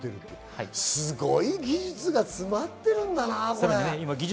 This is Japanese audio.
すごい技術が詰まってるんだな。